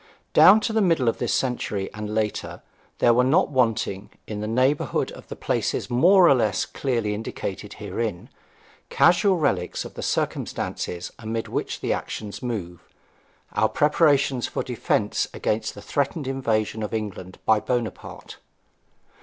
Down to the middle of this century, and later, there were not wanting, in the neighbourhood of the places more or less clearly indicated herein, casual relics of the circumstances amid which the action moves our preparations for defence against the threatened invasion of England by Buonaparte.